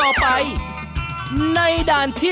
นำไปให้แม่แม่ในด้านต่อไป